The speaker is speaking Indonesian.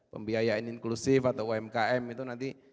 pembiayaan inklusif atau umkm itu nanti